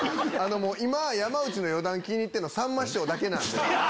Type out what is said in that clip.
今山内の余談気に入ってんのさんま師匠だけなんで。